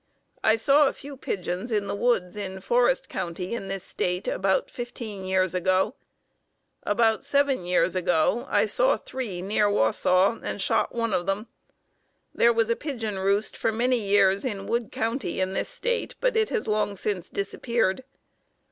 I saw a few pigeons in the woods in Forest County, in this State, about fifteen years ago. About seven years ago I saw three near Wausau and shot one of them. There was a pigeon roost for many years in Wood County, in this State, but it has long since disappeared.